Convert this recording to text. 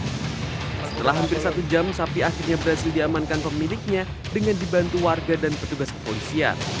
setelah hampir satu jam sapi akhirnya berhasil diamankan pemiliknya dengan dibantu warga dan petugas kepolisian